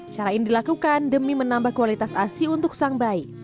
cara ini dilakukan demi menambah kualitas asi untuk sang bayi